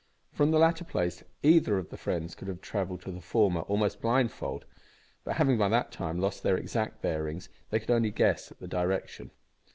From the latter place either of the friends could have travelled to the former almost blindfold; but, having by that time lost their exact bearings, they could only guess at the direction.